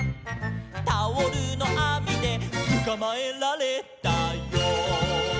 「タオルのあみでつかまえられたよ」